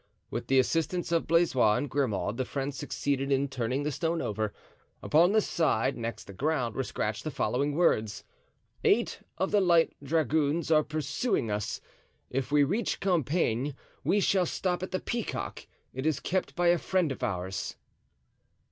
With the assistance of Blaisois and Grimaud the friends succeeded in turning the stone over. Upon the side next the ground were scratched the following words: "Eight of the light dragoons are pursuing us. If we reach Compiegne we shall stop at the Peacock. It is kept by a friend of ours."